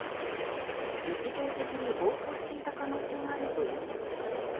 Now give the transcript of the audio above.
日常的に暴行していた可能性があるということです。